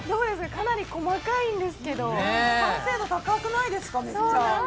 かなり細かいんですけど完成度高くないですか、めっちゃ。